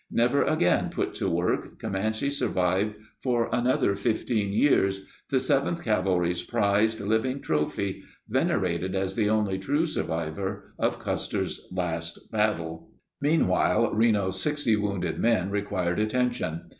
Never again put to work, Comanche survived for another 15 years, the 7th Cavalry's prized living trophy, vener ated as the only true survivor of Custer's Last Battle. Meanwhile, Reno's 60 wounded men required at tention.